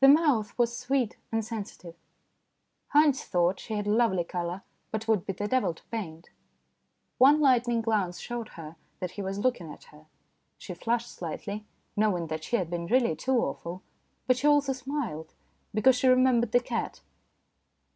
The mouth was sweet and sensitive. Haynes thought she had lovely colour, but would be the devil to paint. One lightning glance showed her that he was looking at her ; she flushed slightly, knowing that she had been really too awful, but she also smiled, because she remembered the cat.